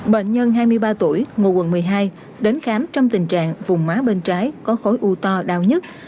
bệnh nhân hai mươi ba tuổi ngụ quận một mươi hai đến khám trong tình trạng vùng má bên trái có khối u to đau nhất